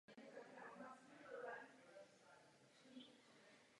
Dva roky strávil ve vězení na hradě Zbiroh.